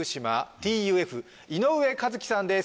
ＴＵＦ井上和樹さんです